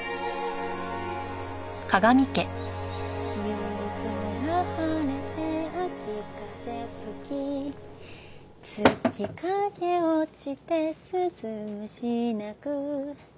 「夕空晴れて秋風吹き」「月影落ちて鈴虫鳴く」